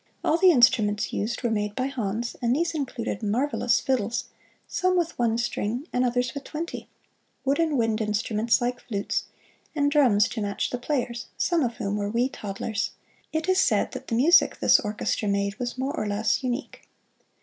All the instruments used were made by Hans, and these included marvelous fiddles, some with one string and others with twenty; wooden wind instruments like flutes, and drums to match the players, some of whom were wee toddlers. It is said that the music this orchestra made was more or less unique.